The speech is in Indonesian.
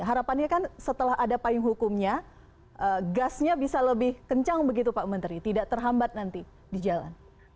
harapannya kan setelah ada payung hukumnya gasnya bisa lebih kencang begitu pak menteri tidak terhambat nanti di jalan